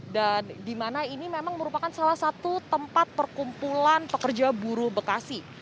dan di mana ini memang merupakan salah satu tempat perkumpulan pekerja buruh bekasi